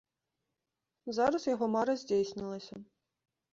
Зараз яго мара здзейснілася.